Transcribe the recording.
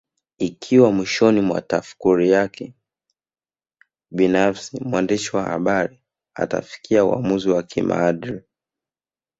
Ikiwa mwishoni mwa tafakuri yake binafsi mwandishi wa habari atafikia uamuzi wa kimaadili